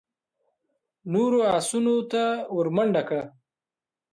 نورو آسونو ته ور منډه کړه.